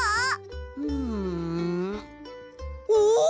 うんおおっ！